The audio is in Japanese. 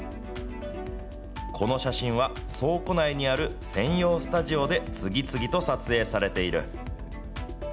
この写真は、倉庫内にある専用スタジオで次々と撮影されている。